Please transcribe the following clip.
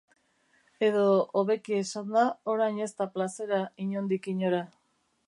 Edo hobeki esanda, orain ez da plazera inondik inora.